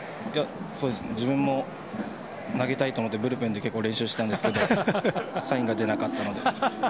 自分も投げたいと思ってブルペンで結構、練習してたんですけどサインが出なかったので。